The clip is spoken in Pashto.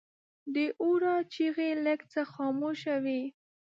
د هورا چیغې لږ څه خاموشه وې.